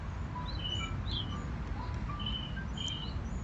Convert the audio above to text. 获奖作品与获奖者以粗体字显示。